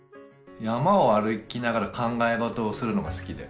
山を歩きながら考えごとをするのが好きで。